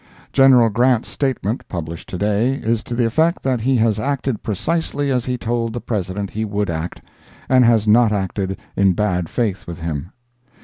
General Grant's statement, published to day, is to the effect that he has acted precisely as he told the President he would act, and has not acted in bad faith with him.